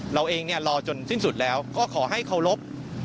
เราเองรอจนสิ้นสุดแล้วก็ขอให้เคารพ